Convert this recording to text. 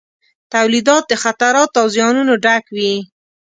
تولیدات د خطراتو او زیانونو ډک وي.